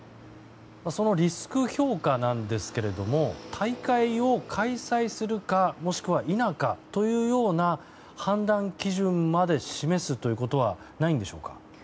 そのリスク評価なんですが大会を開催するかもしくは、否かというような判断基準まで示すということはないんでしょうか？